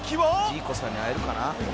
「ジーコさんに会えるかな？